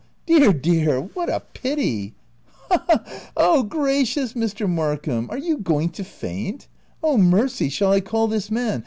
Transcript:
Dear, dear, what a pity ! ha, ha, ha !— Gracious, Mr. Markham ! are you going to faint ? O mercy ! shall I call this man?